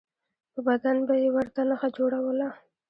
په بدن به یې ورته نښه جوړوله.